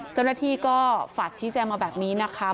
เจ้าหน้าที่ก็ฝากชี้แจงมาแบบนี้นะคะ